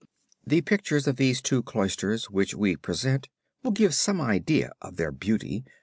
The pictures of these two Cloisters which we present will give some idea of their beauty.